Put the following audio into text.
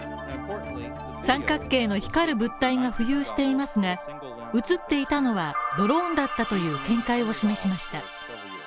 三角形の光る物体が浮遊していますが映っていたのはドローンだったという見解を示しました。